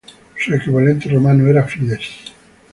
Su equivalente romano era Fides.